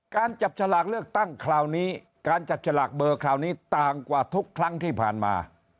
การจับฉลากเลือกตั้งคราวนี้การจับฉลากเบอร์คราวนี้ต่างกว่าทุกครั้งที่ผ่านมา